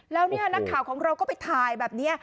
แล้วเนี่ยนักข่าวของเราก็ไปถ่ายแบบนี้